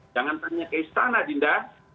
jangan tanya ke istana dinda